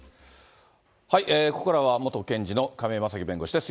ここからは元検事の亀井正貴弁護士です。